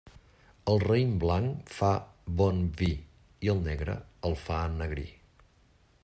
El raïm blanc fa bon vi i el negre el fa ennegrir.